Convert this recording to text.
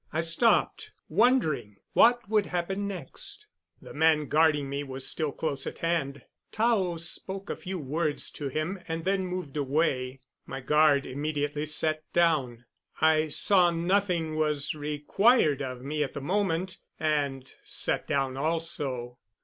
I stopped, wondering what would happen next. The man guarding me was still close at hand. Tao spoke a few words to him and then moved away. My guard immediately sat down. I saw nothing was required of me at the moment, and sat down also.